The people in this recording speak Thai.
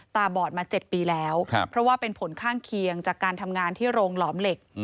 บอดมา๗ปีแล้วเพราะว่าเป็นผลข้างเคียงจากการทำงานที่โรงหลอมเหล็ก